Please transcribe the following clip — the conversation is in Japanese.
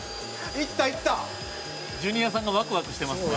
水田：ジュニアさんがワクワクしてますね。